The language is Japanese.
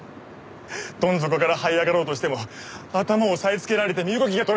どん底からはい上がろうとしても頭を押さえつけられて身動きが取れない。